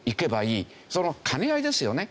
その兼ね合いですよね。